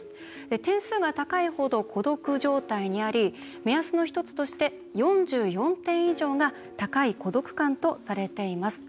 点数が高いほど孤独状態にあり目安の１つとして４４点以上が高い孤独感とされています。